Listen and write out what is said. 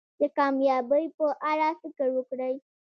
د کامیابی په اړه فکر وکړی.